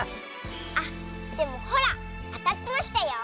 あっでもほらあたってましたよ。